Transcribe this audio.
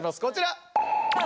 こちら。